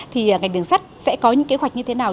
thì ngành đường sắt sẽ có những kế hoạch như thế nào